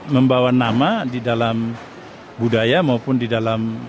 membawa nama di dalam budaya maupun di dalam